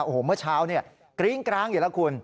โอ้โหเมื่อเช้าเนี่ยกริ้งกร้างอยู่แล้วคุณ